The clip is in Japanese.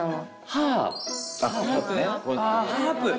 ハープ。